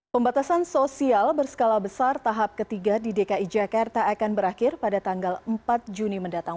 pembatasan sosial berskala besar tahap ketiga di dki jakarta akan berakhir pada tanggal empat juni mendatang